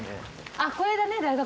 あっこれだね大学。